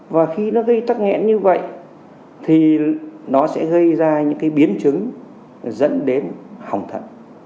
và khi nó gây tắc nghẽn như vậy thì nó sẽ gây ra những cái biến chứng dẫn đến hỏng thận